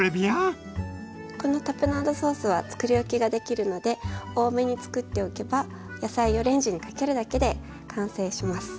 このタプナードソースはつくりおきができるので多めにつくっておけば野菜をレンジにかけるだけで完成します。